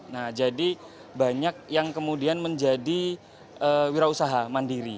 nah jadi banyak yang kemudian menjadi wirausaha mandiri